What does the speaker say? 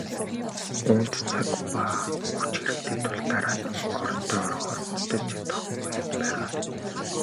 Үүнд цаг ба хүч хэрэгтэй тул дараа нь орондоо орохоор унтаж чадах байх.